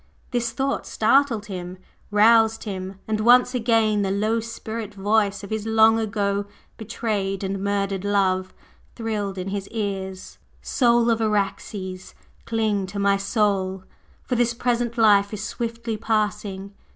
This thought startled him roused him, and once again the low spirit voice of his long ago betrayed and murdered love thrilled in his ears: "Soul of Araxes, cling to my soul! for this present life is swiftly passing!